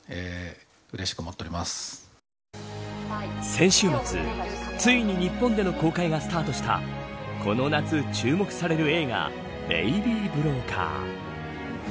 先週末ついに日本での公開がスタートしたこの夏注目される映画ベイビー・ブローカー。